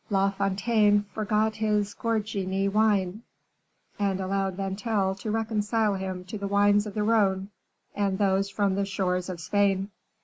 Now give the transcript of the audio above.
La Fontaine forgot his Gorgny wine, and allowed Vatel to reconcile him to the wines of the Rhone, and those from the shores of Spain.